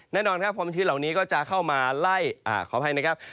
แน่นอนครับความชื้นเหล่านี้ก็จะเข้ามาไล่ขออภัยนะครับ